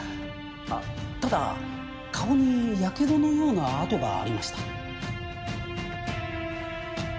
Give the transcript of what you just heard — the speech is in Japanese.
あっただ顔にやけどのような痕がありました。